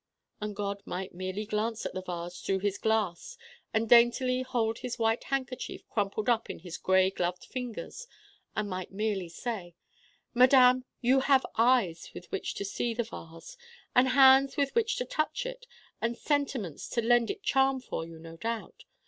And God might merely glance at the vase through his glass and daintily hold his white handkerchief crumpled up in his gray gloved fingers and might merely say: 'Madame, you have eyes with which to see the vase and hands with which to touch it and sentiments to lend it charm for you, no doubt.